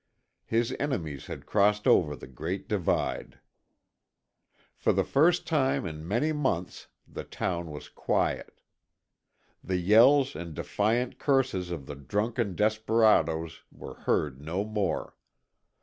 His enemies had crossed over the great divide. For the first time in many months the town was quiet. The yells and defiant curses of the drunken desperadoes were heard no more.